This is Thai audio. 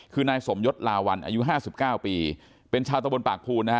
คือนายสมยศลาวันอายุห้าสิบเก้าปีเป็นชาวตะบนปากภูนนะฮะ